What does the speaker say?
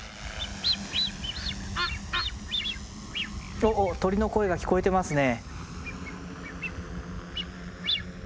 おおっ鳥の声が聞こえてますね。